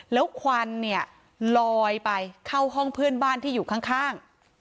แล้วควันเนี่ยลอยไปเข้าห้องเพื่อนบ้านที่อยู่ข้าง